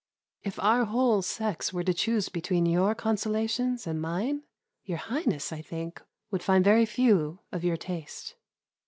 If our whole sex were to choose between your consolations and mine, your Highness, I think, would find very few of your taste.